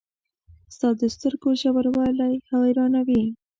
• ستا د سترګو ژوروالی حیرانوي.